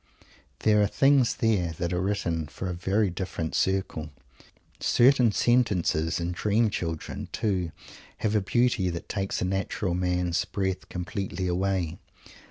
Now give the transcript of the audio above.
There are things here that are written for a very different circle. Certain sentences in "Dream children," too, have a beauty that takes a natural man's breath completely away.